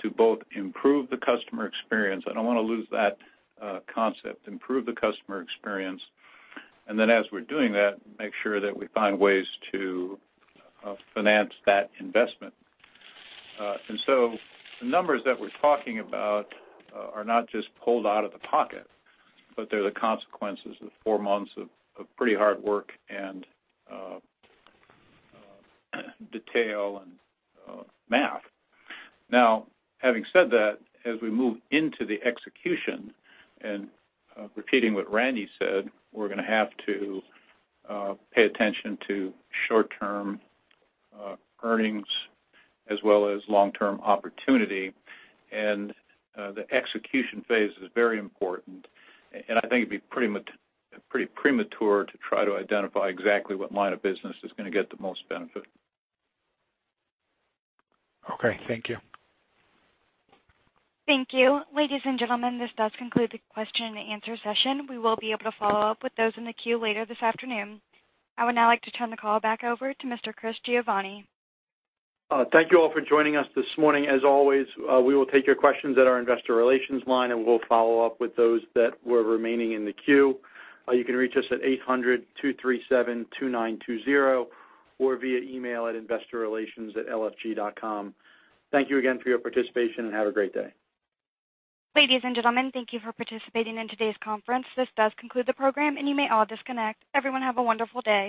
to both improve the customer experience, I don't want to lose that concept, improve the customer experience, and then as we're doing that, make sure that we find ways to finance that investment. The numbers that we're talking about are not just pulled out of the pocket, but they're the consequences of four months of pretty hard work and detail and math. Having said that, as we move into the execution, repeating what Randy said, we're going to have to pay attention to short-term earnings as well as long-term opportunity. The execution phase is very important, and I think it'd be pretty premature to try to identify exactly what line of business is going to get the most benefit. Okay. Thank you. Thank you. Ladies and gentlemen, this does conclude the question and answer session. We will be able to follow up with those in the queue later this afternoon. I would now like to turn the call back over to Mr. Christopher Giovanni. Thank you all for joining us this morning. As always, we will take your questions at our investor relations line, and we'll follow up with those that were remaining in the queue. You can reach us at 800-237-2920 or via email at investorrelations@lfg.com. Thank you again for your participation, and have a great day. Ladies and gentlemen, thank you for participating in today's conference. This does conclude the program, and you may all disconnect. Everyone have a wonderful day.